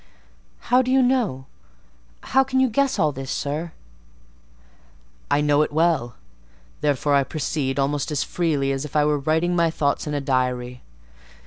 "How do you know?—how can you guess all this, sir?" "I know it well; therefore I proceed almost as freely as if I were writing my thoughts in a diary.